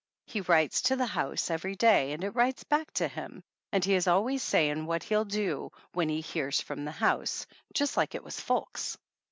He writes to the house every day and it writes back to him, and he is always saying what he'll do "when he hears from the house," just like it was folks.